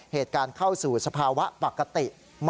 เหตุการณ์เข้าสู่สภาวะปกติ